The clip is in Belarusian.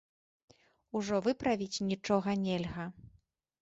Ужо выправіць нічога нельга.